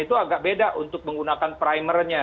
itu agak beda untuk menggunakan primernya